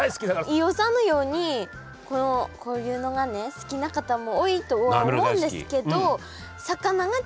飯尾さんのようにこういうのがね好きな方も多いとは思うんですけどいるね。